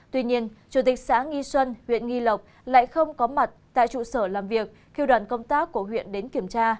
tuy nhiên chủ tịch xã nghi xuân huyện nghi lộc lại không có mặt tại trụ sở làm việc khi đoàn công tác của huyện đến kiểm tra